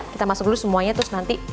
kita masuk dulu semuanya terus nanti